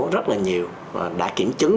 rất là nhiều và đã kiểm chứng